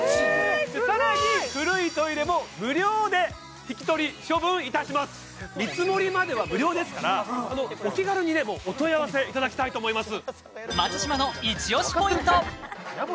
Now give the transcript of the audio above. さらに古いトイレも無料で引き取り処分いたします見積もりまでは無料ですからお気軽にねお問い合わせいただきたいと思います